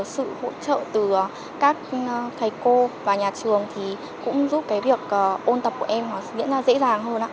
sự hỗ trợ từ các thầy cô và nhà trường cũng giúp việc ôn tập của em diễn ra dễ dàng hơn